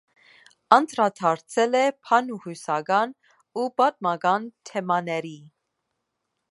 Անդրադարձել է բանահյուսական ու պատմական թեմաների։